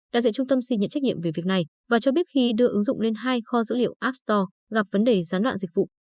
đại diện trung tâm xin nhận trách nhiệm về việc này và cho biết khi đưa ứng dụng lên hai kho dữ liệu app store gặp vấn đề gián đoạn dịch vụ